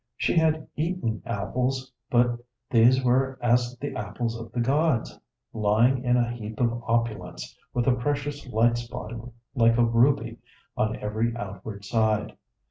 She had eaten apples, but these were as the apples of the gods, lying in a heap of opulence, with a precious light spot like a ruby on every outward side.